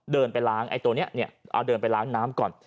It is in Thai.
เดินไปล้างไอ้ตัวนี้เนี่ยเอาเดินไปล้างน้ำก่อน